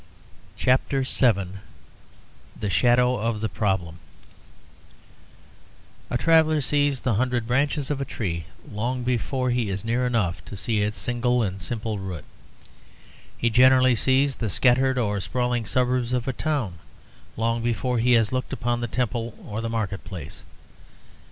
CHAPTER VII THE SHADOW OF THE PROBLEM A traveller sees the hundred branches of a tree long before he is near enough to see its single and simple root; he generally sees the scattered or sprawling suburbs of a town long before he has looked upon the temple or the market place.